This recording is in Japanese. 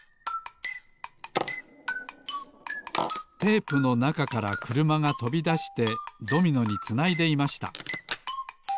テープのなかからくるまがとびだしてドミノにつないでいました